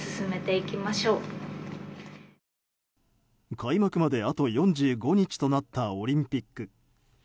開幕まで、あと４５日となったオリンピック。